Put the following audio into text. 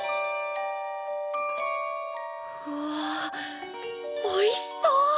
うわおいしそう！